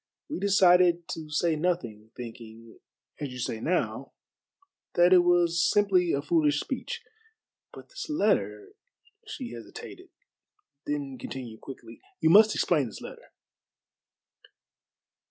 We decided to say nothing, thinking as you say now that it was simply a foolish speech. But this letter" she hesitated, then continued quickly, "you must explain this letter."